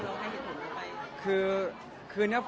แล้วตัวผู้หญิงเขาโอเคไหมครับแล้วให้เหตุผลเข้าไป